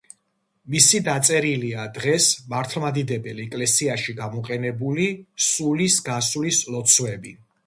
მისი დაწერილია დღეს მართლმადიდებელ ეკლესიაში გამოყენებული სულის გასვლის ლოცვები.